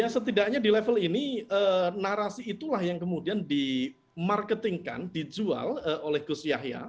setidaknya di level ini narasi itulah yang kemudian di marketingkan dijual oleh gus yahya